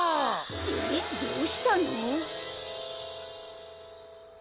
えっどうしたの？